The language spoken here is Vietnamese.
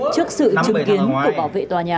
trước sự chứng kiến của bảo vệ tòa nhà